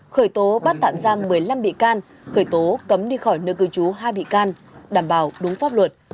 khởi tố bắt tạm giam một mươi năm bị can khởi tố cấm đi khỏi nơi cư trú hai bị can đảm bảo đúng pháp luật